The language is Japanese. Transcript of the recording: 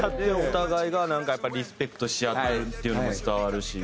お互いがなんかやっぱりリスペクトし合ってるっていうのも伝わるし。